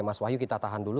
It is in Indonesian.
mas wahyu kita tahan dulu